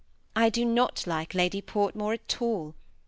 I do not like Lady Portmore at all.